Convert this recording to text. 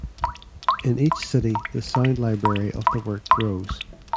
In each city the sound library of the work grows.